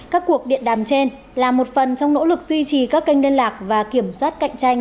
các cuộc điện đàm trên là một phần trong nỗ lực duy trì các kênh liên lạc và kiểm soát cạnh tranh